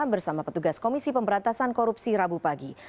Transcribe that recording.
bersama petugas komisi pemberantasan korupsi rabu pagi